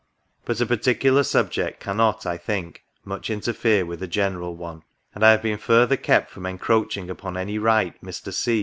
But a particular subject cannot, I think, much interfere with a general one ; and I have been further kept from encroaching upon any right Mr. C.